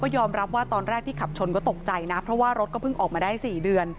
อยากใช้คำนี้